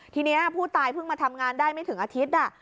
ทีนี้ผู้ตายเพิ่งมาทำงานได้ไม่ถึงอาทิตย์